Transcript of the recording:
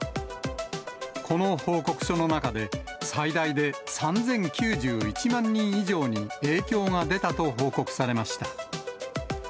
この報告書の中で、最大で３０９１万人以上に影響が出たと報告されました。